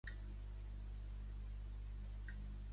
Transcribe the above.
Pare del metge mexicà Pelai Vilar i Puig.